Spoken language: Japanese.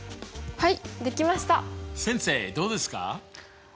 はい。